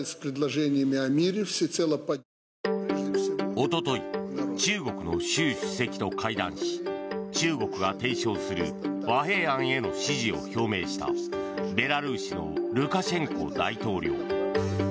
一昨日、中国の習主席と会談し中国が提唱する和平案への支持を表明したベラルーシのルカシェンコ大統領。